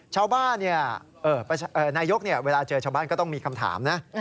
ชาวบ้านนายกเวลาเจอชาวบ้านก็ต้องมีคำถามนะ